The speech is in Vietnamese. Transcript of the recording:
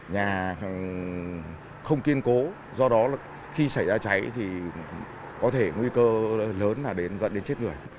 nhà không kiên cố do đó khi xảy ra cháy có thể nguy cơ lớn dẫn đến chết người